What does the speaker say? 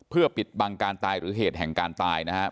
เพื่อปิดบังการตายหรือเหตุแห่งการตายนะครับ